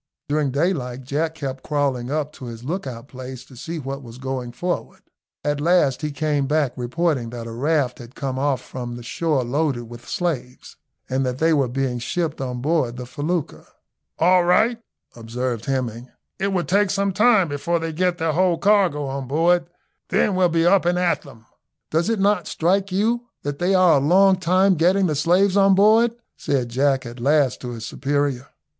During daylight Jack kept crawling up to his lookout place to see what was going forward. At last he came back reporting that a raft had come off from the shore loaded with slaves, and that they were being shipped on board the felucca. "All right," observed Hemming, "it will take some time before they get their whole cargo on board, then we'll be up and at them." "Does it not strike you that they are a long time getting the slaves on board?" said Jack at last to his superior.